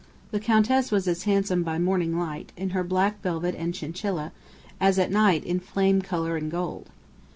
The Countess was as handsome by morning light, in her black velvet and chinchilla, as at night in flame colour and gold.